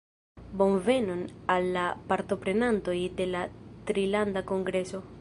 Bonvenon al la partoprenantoj de la Trilanda Kongreso